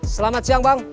selamat siang bang